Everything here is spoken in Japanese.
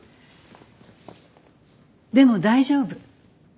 でも大丈夫。